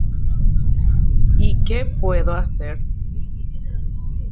Ha mba'éiko ajapokuaa.